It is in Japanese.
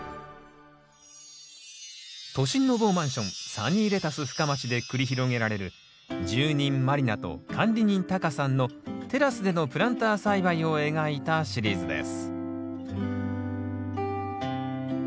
サニーレタス深町で繰り広げられる住人満里奈と管理人タカさんのテラスでのプランター栽培を描いたシリーズです